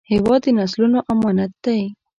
هېواد د نسلونو امانت دی